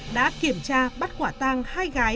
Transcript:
đã kiểm tra bắt quả tang hai gái